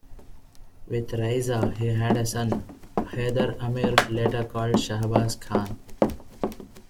With Raisa he had a son, Haider Amir, later called Shahbaz Khan.